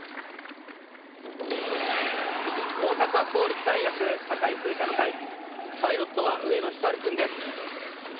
大阪公立大学堺・風車の会パイロットは上野光くんです。